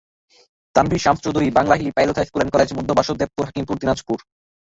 Tanvir Shams Chowdhury, Banglahili pilot high school and college, মধ্য বাসদেবপুর, হাকিমপুর, দিনাজপুর।